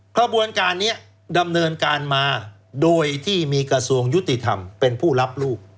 กระบวนการนี้ดำเนินการมาโดยที่มีกระทรวงยุติธรรมเป็นผู้รับลูก